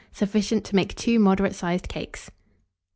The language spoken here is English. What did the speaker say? Sufficient to make 2 moderate sized cakes.